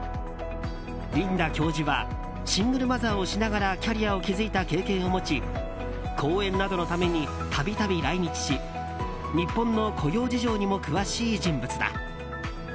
リンダ教授はシングルマザーをしながらキャリアを築いた経験を持ち講演などのために度々来日し日本の雇用事情にも詳しい人物だ。